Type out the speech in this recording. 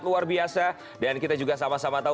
luar biasa dan kita juga sama sama tahu